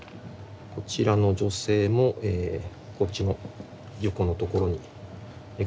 こちらの女性もこっちの横のところに描かれてますね。